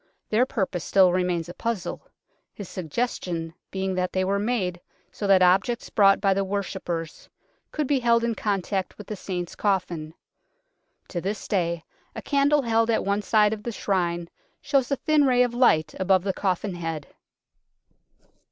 Their purpose still remains a puzzle, his suggestion being that they were made so that objects brought by the worshippers could be held in contact with the Saint's coffin. To this day a candle held at one side of the Shrine shows a thin ray of light above the coffin head.